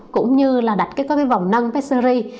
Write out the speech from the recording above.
cũng như là đặt cái cái vòng nâng pessary